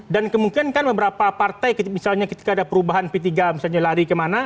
dan kemungkinan kan beberapa partai misalnya ketika ada perubahan p tiga misalnya lari kemana